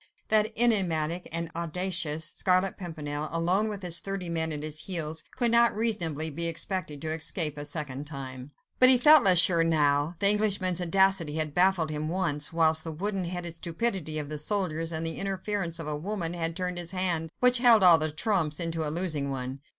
That enigmatic and audacious Scarlet Pimpernel, alone and with thirty men at his heels, could not reasonably be expected to escape a second time. But he felt less sure now: the Englishman's audacity had baffled him once, whilst the wooden headed stupidity of the soldiers, and the interference of a woman had turned his hand, which held all the trumps, into a losing one.